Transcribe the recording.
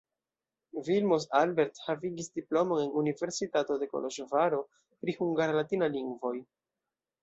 Vilmos Albert havigis diplomon en Universitato de Koloĵvaro pri hungara-latina lingvoj.